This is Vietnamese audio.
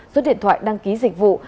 số điện thoại đăng ký dịch vụ